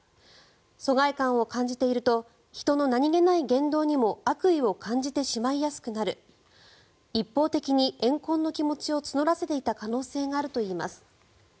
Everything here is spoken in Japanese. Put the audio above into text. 疎外感を感じていると人の何げない言動にも悪意を感じてしまいやすくなる一方的にえん恨の気持ちを募らせていた可能性があるといいます。